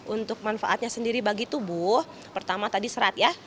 untuk manfaatnya sendiri bagi tubuh pertama tadi serat ya